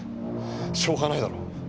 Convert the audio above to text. しょうがないだろ。